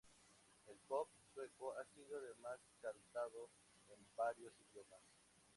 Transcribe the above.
El pop sueco ha sido además cantado en varios idiomas.